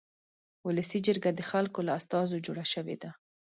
ولسي جرګه د خلکو له استازو جوړه شوې ده.